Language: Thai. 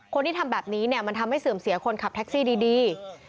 คนที่ทำแบบนี้เนี่ยมันทำให้เสื่อมเสียคนขับแท็กซี่ดี